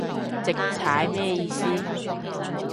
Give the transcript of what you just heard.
直踩咩意思